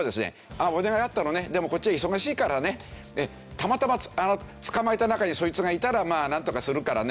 「ああお願いあったのねでもこっちは忙しいからねたまたま捕まえた中にそいつがいたらまあなんとかするからね」